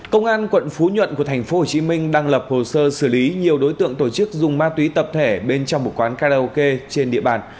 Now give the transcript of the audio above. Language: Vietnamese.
công an quận phú nhuận của thành phố hồ chí minh đang lập hồ sơ xử lý nhiều đối tượng tổ chức dùng ma túy tập thể bên trong một quán karaoke trên địa bàn